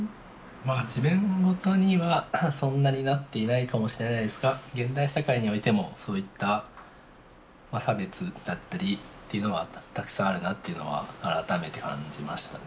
まあ自分事にはそんなになっていないかもしれないですが現代社会においてもそういった差別だったりというのはたくさんあるなというのは改めて感じましたね。